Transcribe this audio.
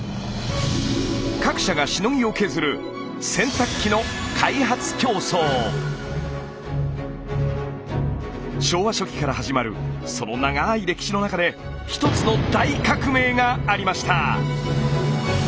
各社がしのぎを削る洗濯機の昭和初期から始まるその長い歴史の中で一つの「大革命」がありました。